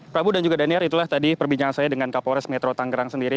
prabu dan juga daniar itulah tadi perbincangan saya dengan kapolres metro tanggerang sendiri